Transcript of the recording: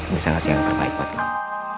bisa ngasih yang terbaik buat kamu